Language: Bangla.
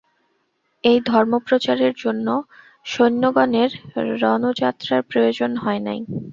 এই ধর্মপ্রচারের জন্য সৈন্যগণের রণযাত্রার প্রয়োজন হয় নাই।